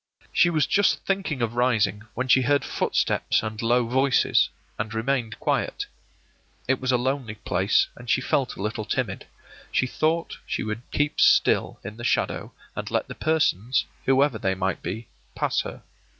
She was just thinking of rising, when she heard footsteps and low voices, and remained quiet. It was a lonely place, and she felt a little timid. She thought she would keep still in the shadow and let the persons, whoever they might be, pass her.